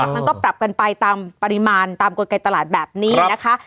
มันก็ปรับกันไปตามปริมาณตามกลไกตลาดแบบนี้นะคะ